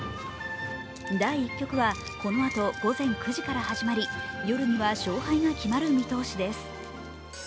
第１局は、このあと午前９時から始まり夜には勝敗が決まる見通しです。